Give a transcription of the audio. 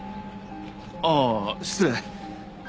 ああ失礼。